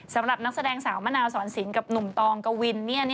สำหรับนักแสดงสาวมะนาวสอนสินกับหนุ่มตองกวิน